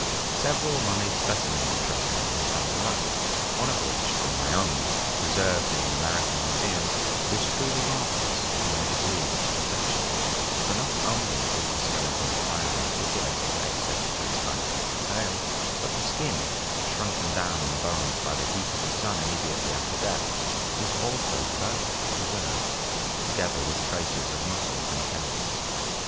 Several mummied specimens of Trachodon have come to light, one of which from Wyoming, preserved in the American Museum, is truly marvel ous in the degree of its perfection, for not only is the skeleton entirely articulated except for its hind feet and tail, but the skin, shrunken down on the bones by the heat of the sun immediately after death, is also perfectly preserved, together with traces of muscles and tendons.